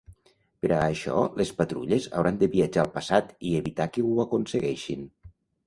Per a això les Patrulles hauran de viatjar al passat i evitar que ho aconsegueixin.